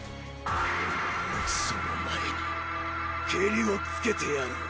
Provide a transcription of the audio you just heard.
その前にケリをつけてやろう。